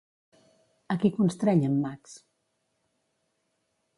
A qui constreny en Max?